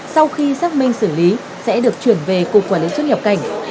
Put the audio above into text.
sau khi xác minh xử lý sẽ được chuyển về cục quản lý xuất nhập cảnh